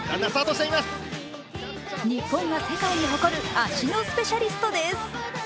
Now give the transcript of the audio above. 日本が世界に誇る足のスペシャリストです。